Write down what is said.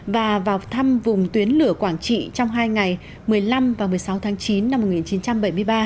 và vào thăm vùng tuyến lửa quảng trị trong hai ngày một mươi năm và một mươi sáu tháng chín năm một nghìn chín trăm bảy mươi ba